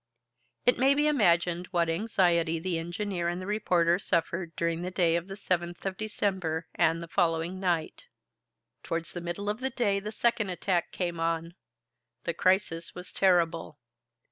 It may be imagined what anxiety the engineer and the reporter suffered during the day of the 7th of December and the following night. Towards the middle of the day the second attack came on. The crisis was terrible.